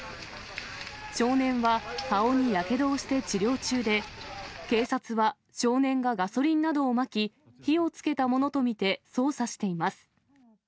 少年は顔にやけどをして治療中で、警察は少年がガソリンなどをまき、火をつけたものと見て捜査しています。